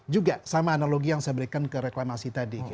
juga sama analogi yang saya berikan ke reklamasi tadi